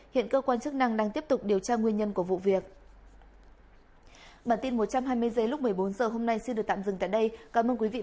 hiện cơ quan chức năng đang tiếp tục điều tra nguyên nhân của vụ việc